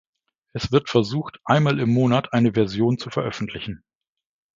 Es wird versucht einmal im Monat eine Version zu veröffentlichen.